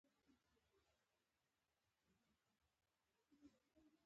د خلکو سره ستا اړیکي د بانکي حساب په شان دي.